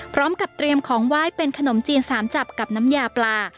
พร้อมกับเตรียมของไหว้เป็นขนมจีน๓จับกับน้ำยาปลา